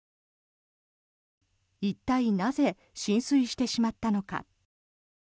一体、なぜ浸水してしまったのか。